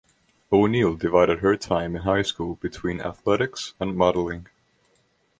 O'Neil divided her time in high-school between athletics and modeling.